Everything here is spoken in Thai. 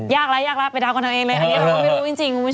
ยากแล้วไปดาวกันเองเลย